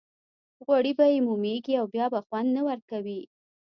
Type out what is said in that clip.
غوړي به یې مومېږي او بیا به خوند نه ورکوي.